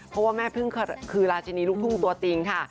เพราะว่าแม่พึ่งคือราชินีลูกทุ่งตัวจริงค่ะ